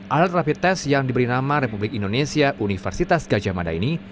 alat rapid test yang diberi nama republik indonesia universitas gajah mada ini